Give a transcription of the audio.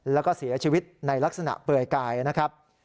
แล้วก็เสียชีวิตในลักษณะเปลือยกายนะครับ